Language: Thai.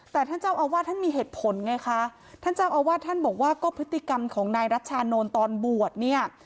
แต่ท่านเจ้าอาวาสท่านมีเหตุผลไงคะท่านเจ้าอาวาสท่านบอกว่าก็พฤติกรรมของนายรัชชานนท์ตอนบวชเนี่ย